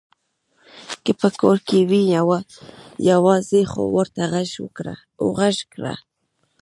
که په کور کې وي يوارې خو ورته غږ کړه !